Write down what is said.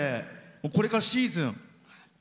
これからシーズン？